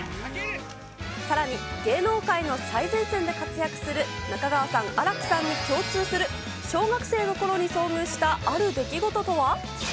さらに、芸能界の最前線で活躍する中川さん、新木さんに共通する小学生のころに遭遇したある出来事とは？